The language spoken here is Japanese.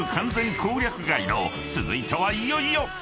［続いてはいよいよ］